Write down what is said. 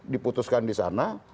diputuskan di sana